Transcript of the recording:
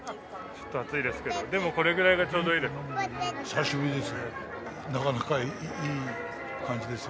ちょっと暑いですけど、でもこれぐらいがちょうどいいです。